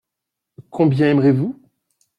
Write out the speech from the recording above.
Combien aimerez-vous ?